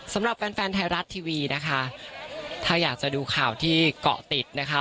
สำหรับแฟนแฟนไทยรัฐทีวีนะคะถ้าอยากจะดูข่าวที่เกาะติดนะคะ